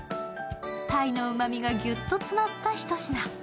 鯛のうまみがギュッと詰まった一品。